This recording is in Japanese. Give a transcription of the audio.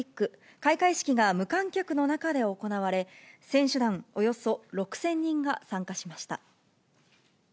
開会式が無観客の中で行われ、選手団およそ６０００人が参加しました。